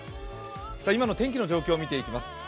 今の天気の状況を見ていきます。